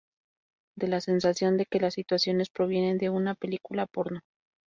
Da la sensación de que las situaciones provienen de una película porno".